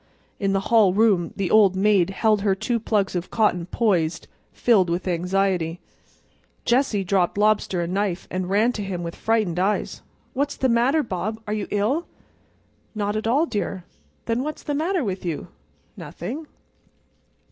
In the hall room the old maid held her two plugs of cotton poised, filled with anxiety. Jessie dropped lobster and knife and ran to him with frightened eyes. "What's the matter, Bob, are you ill?" "Not at all, dear." "Then what's the matter with you?" "Nothing."